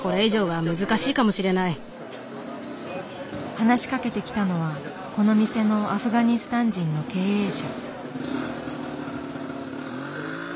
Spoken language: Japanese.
話しかけてきたのはこの店のアフガニスタン人の経営者。